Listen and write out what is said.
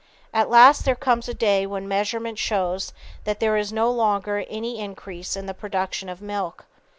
At last there comes a day when measurement shows that there is no longer any increase in the production of milk.